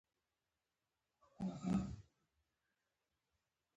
هغه د زړو کمپیوټري جوړښتونو په اړه شکایت کاوه